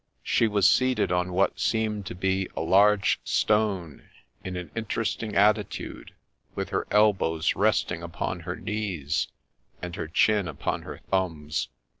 She was seated on what seemed to be a large stone, in an interesting attitude, with her elbows resting upon her knees, and her chin upon her thumbs.